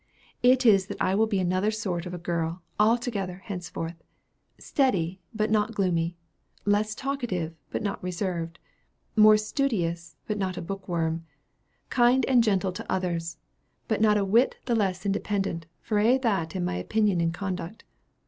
It is that I will be another sort of a girl, altogether, henceforth; steady, but not gloomy; less talkative, but not reserved; more studious, but not a bookworm; kind and gentle to others, but not a whit the less independent, 'for a' that,' in my opinions and conduct.